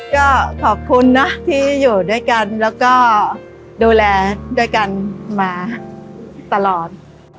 ก็ขอบคุณนะที่อยู่ด้วยกันแล้วก็ดูแลด้วยกันมาตลอด